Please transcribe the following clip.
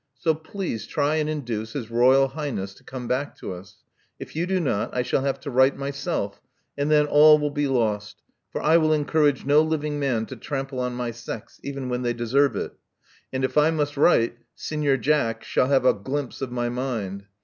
So please try and induce his royal highness to come back to us. If you do not, I shall have to write myself, and then all will be lost; for I will encourage no living man to trample on my sex, even when they deserve it; and if I must write. Seigneur Jack shall have a glimpse of my mind.